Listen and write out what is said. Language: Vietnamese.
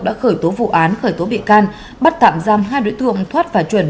đã khởi tố vụ án khởi tố bị can bắt tạm giam hai đối tượng thoát và chuẩn